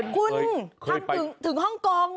คุณถึงฮ่องกง